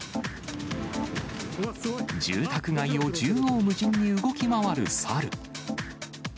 住宅街を縦横無尽に動き回る猿。